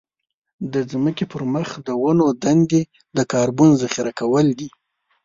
د ځمکې پر مخ د ونو دندې د کاربن ذخيره کول دي.